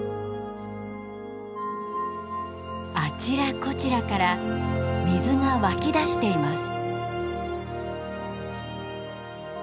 あちらこちらから水が湧き出しています。